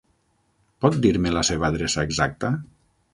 Pot dir-me la seva adreça exacta?